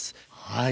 はい。